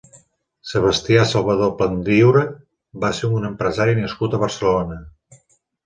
Sebastià Salvadó Plandiura va ser un empresari nascut a Barcelona.